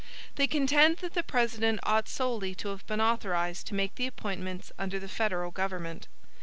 They contend that the President ought solely to have been authorized to make the appointments under the federal government.